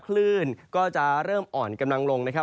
คลื่นก็จะเริ่มอ่อนกำลังลงนะครับ